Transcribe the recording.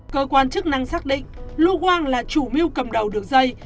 cơ quan chức năng xác định lu wang là chủ mưu cầm đầu được dây